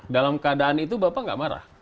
dalam keadaan itu bapak nggak marah